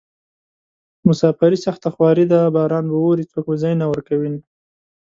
مساپري سخته خواري ده باران به اوري څوک به ځای نه ورکوينه